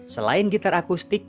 selain gitar akustik